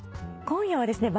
今夜はですね